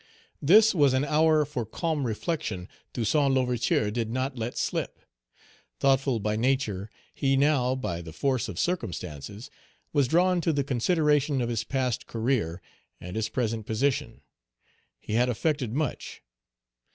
This was an hour for calm reflection Toussaint L'Ouverture did not let slip. Thoughtful by nature, he now, by the force of circumstances, was drawn to the consideration of his past career and his present position. He had effected much.